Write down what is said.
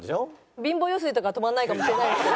貧乏揺すりとかは止まらないかもしれないですけど。